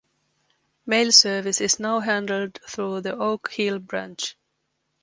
Mail service is now handled through the Oak Hill branch.